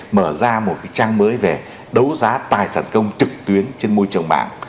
mở ra một trang mới về đấu giá tài sản công trực tuyến trên môi trường mạng